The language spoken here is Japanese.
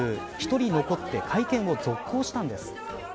１人残って会見を続行したんです。